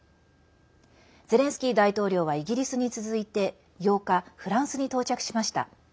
ゼレンスキー大統領はイギリスに続いて、８日フランスに到着しました。